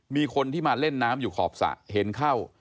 มีคนที่มาเล่นน้ำอยู่ขอบสระเห็นเข้า